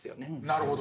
なるほど。